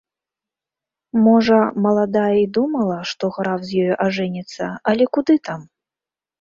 Можа, маладая і думала, што граф з ёю ажэніцца, але куды там.